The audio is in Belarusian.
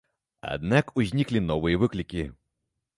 Аднак узніклі новыя выклікі.